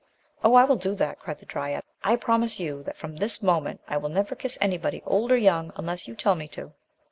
"Oh, I will do that!" cried the dryad, "I promise you, that, from this moment, I will never kiss anybody, old or young, unless you tell me to."